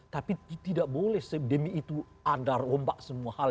tapi tidak boleh demi itu ada rombak semua hal